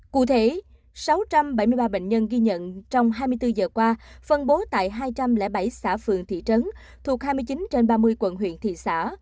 cụ thể sáu trăm bảy mươi ba bệnh nhân ghi nhận trong hai mươi bốn giờ qua phân bố tại hai trăm linh bảy xã phường thị trấn thuộc hai mươi chín trên ba mươi quận huyện thị xã